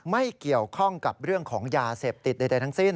ไม่เกี่ยวข้องกับเรื่องของยาเสพติดใดทั้งสิ้น